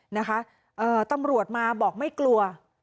นะคะเอ่อตำรวจมาบอกไม่กลัว